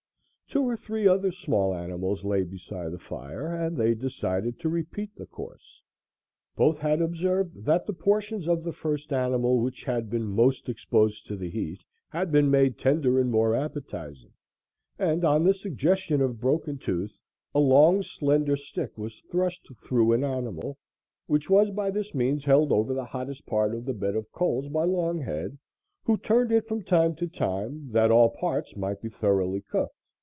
Two or three other small animals lay beside the fire and they decided to repeat the course. Both had observed that the portions of the first animal which had been most exposed to the heat had been made tender and more appetizing, and, on the suggestion of Broken Tooth, a long slender stick was thrust through an animal, which was by this means held over the hottest part of the bed of coals by Longhead, who turned it from time to time, that all parts might be thoroughly cooked.